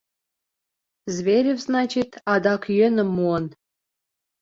Зверев, значит, адак йӧным муын...